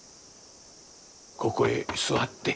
ここへ座って。